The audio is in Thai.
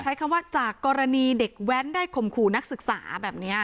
ใช้คำว่าจากกรณีเด็กแว้นได้ข่มขู่นักศึกษาแบบนี้